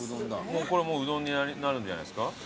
これはもううどんになるんじゃないですか？